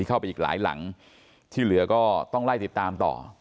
เข้าไปอีกหลายหลังที่เหลือก็ต้องไล่ติดตามต่อ